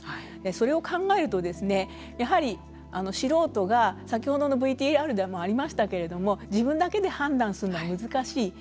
それを考えると素人が先ほどのＶＴＲでもありましたけれども自分だけで判断するの難しいと。